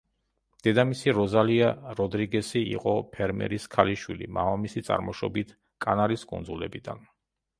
დედამისი როზალია როდრიგესი იყო ფერმერის ქალიშვილი, მამამისი წარმოშობით კანარის კუნძულებიდან.